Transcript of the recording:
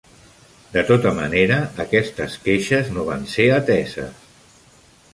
De tota manera, aquestes queixes no van ser ateses.